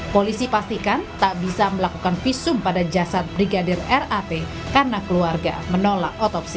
polisi pastikan tak bisa melakukan visum pada jasad brigadir rat karena keluarga menolak otopsi